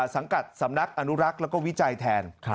สังกัดสำนักอนุรักษ์แล้วก็วิจัยแทน